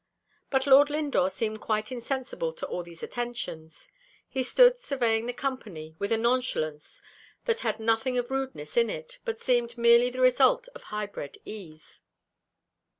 But Lord Lindore seemed quite insensible to all these attentions; he stood surveying the company with a nonchalance that had nothing of rudeness in it, but seemed merely the result of high bred ease.